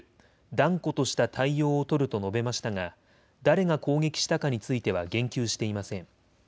断固とした対応を取ると述べましたが誰が攻撃したかについては言及していません。